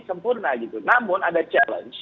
sempurna gitu namun ada challenge